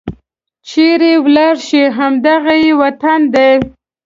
چيرې ولاړې شي؟ همد غه یې وطن دی